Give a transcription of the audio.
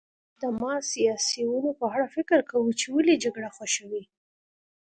ما د سیاسیونو په اړه فکر کاوه چې ولې جګړه خوښوي